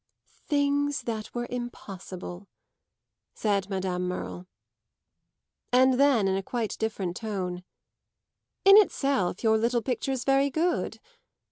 "Things that were impossible," said Madame Merle. And then in quite a different tone: "In itself your little picture's very good."